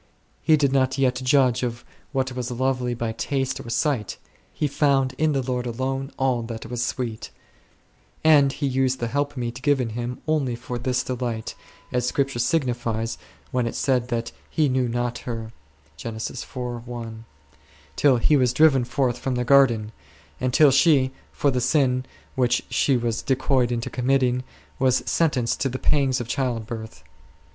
He did not yet judge of what was lovely by taste or sight ; he found in the Lord alone all that was sweet; and he used the helpmeet given him only for this delight, as Scripture signifies when it said that "he knew her not8" till he was driven forth from the garden, and till she, for the sin which she was decoyed into committing, was sentenced to the pangs of childbirth.